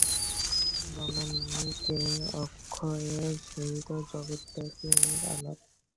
জনান্তিকে অক্ষয়ের সহিত জগত্তারিণীর আলাপ।